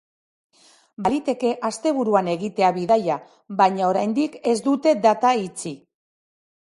Baliteke asteburuan egitea bidaia, baina oraindik ez dute data itxi.